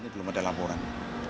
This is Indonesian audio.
belum ada laporan